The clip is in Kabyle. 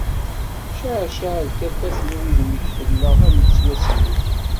Cceɛceɛ-d tafat n wudem-ik fell-aɣ, ad nettwasellek!